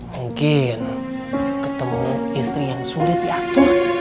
mungkin ketemu istri yang sulit diatur